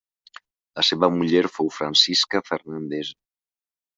La seva muller fou Francisca Fernández.